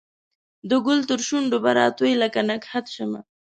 د ګل ترشو نډو به راتوی لکه نګهت شمه